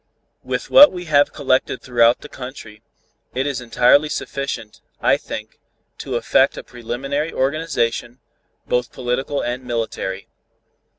With what we have collected throughout the country, it is entirely sufficient, I think, to effect a preliminary organization, both political and military.